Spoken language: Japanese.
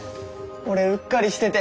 俺うっかりしてて。